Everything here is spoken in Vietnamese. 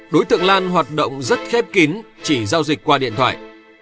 đối tượng lan hoạt động rất khép kín chỉ giao dịch qua điện thoại